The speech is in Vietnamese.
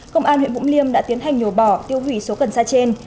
công an huyện vũng liêm đã tiến hành nhổ bỏ tiêu hủy số cần sa trên